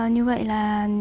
như vậy là